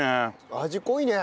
味濃いね。